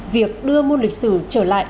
việc đưa môn lịch sử trở lại